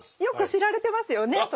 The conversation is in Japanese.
よく知られてますよね